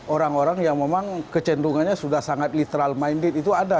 orang orang yang memang kecenderungannya sudah sangat literal minded itu ada